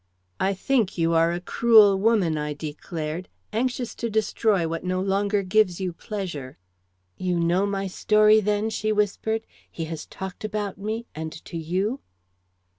"I think you are a cruel woman," I declared, "anxious to destroy what no longer gives you pleasure." "You know my story then?" she whispered. "He has talked about me, and to you?"